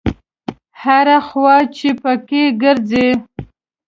هره خوا چې په کې ګرځې.